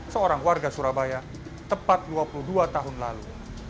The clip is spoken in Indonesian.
seorang warga surabaya tepat dua puluh dua tahun lalu